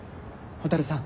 蛍さん